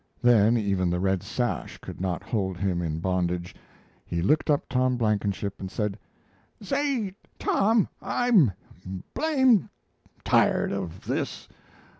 Then even the red sash could not hold him in bondage. He looked up Tom Blankenship and said: "Say, Tom, I'm blamed tired of this!